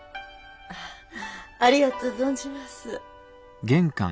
ありがとう存じます。